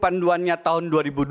panduannya tahun dua ribu dua puluh